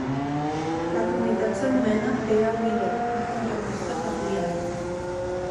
La comunitat s'anomena T. A. Miller, un contractista ferroviari.